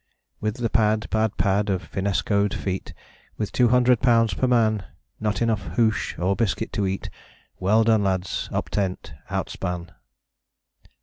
With the pad, pad, pad, of fin'skoed feet, With two hundred pounds per man, Not enough hoosh or biscuit to eat, Well done, lads! Up tent! Outspan.